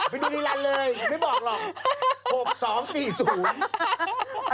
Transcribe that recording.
ไปดูดีลันเลยไม่บอกหรอก